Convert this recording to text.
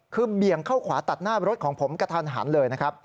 คือเบี่ยงเข้าขวาตัดหน้ารถของผมกระทันหันเลยนะครับ